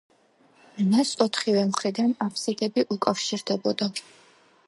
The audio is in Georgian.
მას ოთხივე მხრიდან აფსიდები უკავშირდებოდა.